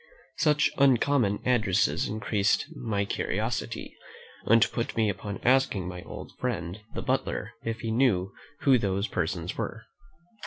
Such uncommon addresses increased my curiosity, and put me upon asking my old friend the butler if he knew who those persons were.